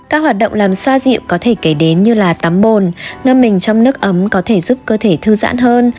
các hoạt động làm xoa dịu có thể kể đến như là tắm bồn ngâm mình trong nước ấm có thể giúp cơ thể thư giãn hơn